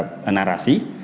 untuk melakukan narasi